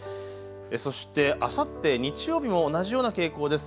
そしてあさって日曜日も同じような傾向です。